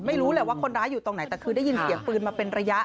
ไม่รู้แหละว่าคนร้ายอยู่ตรงไหนแต่คือได้ยินเสียงปืนมาเป็นระยะ